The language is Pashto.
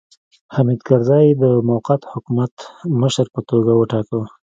حامد کرزی یې د موقت حکومت مشر په توګه وټاکه.